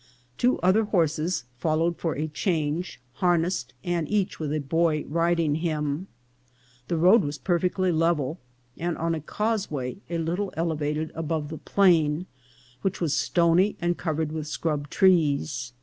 Two other horses followed for change, har nessed, and each with a boy riding him. The road was perfectly level, and on a causeway a little elevated above the plain, which was stony and covered with scrub trees.